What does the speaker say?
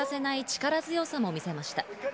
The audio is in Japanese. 力強さも見せました。